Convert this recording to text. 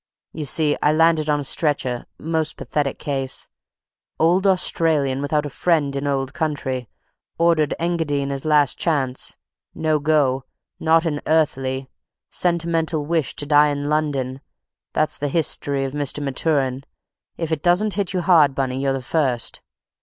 You see I landed on a stretcher—most pathetic case—old Australian without a friend in old country—ordered Engadine as last chance—no go—not an earthly—sentimental wish to die in London—that's the history of Mr. Maturin. If it doesn't hit you hard, Bunny, you're the first.